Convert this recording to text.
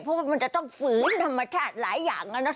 เพราะว่าจะต้องฝืนนามจาศหลายอย่างเนาะ